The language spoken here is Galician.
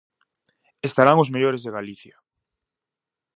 Estarán os mellores de Galicia.